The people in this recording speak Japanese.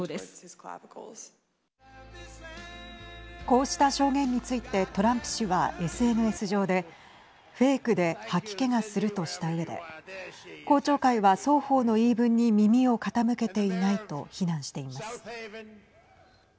こうした証言についてトランプ氏はＳＮＳ上でフェークで吐き気がするとしたうえで公聴会は双方の言い分に耳を傾けていないと非難しています。